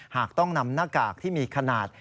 หากต้องนำหน้ากากที่มีขนาด